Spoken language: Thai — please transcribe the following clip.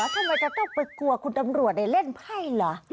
ทำไมจะต้องไปกลัวคุณตำรวจเล่นไพ่เหรอ